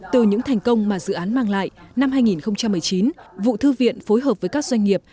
từ những thành công mà dự án mang lại năm hai nghìn một mươi chín vụ thư viện phối hợp với các doanh nghiệp